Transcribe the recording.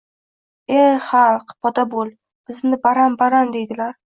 Ey xalq, poda bo‘l! Bizni baran-baran deydilar.